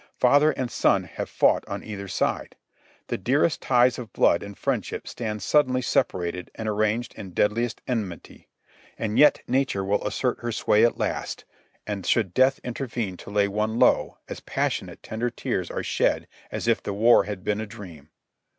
Father and son have fought on either side. The dearest ties of blood and friendship stand suddenly separated and arraigned in dead liest enmity, and yet Nature will assert her sway at last; and 12 178 JOHNNY REB AND BILI^Y YANK should Death intervene to lay one low, as passionate, tender tears are shed as if the war had been a dream.